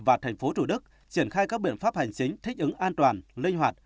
và tp hcm triển khai các biện pháp hành chính thích ứng an toàn linh hoạt